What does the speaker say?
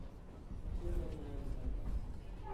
Two men wearing sunglasses.